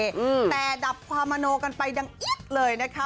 แต่ดับความอโนกันไปดังอิ๊บเลยนะครับ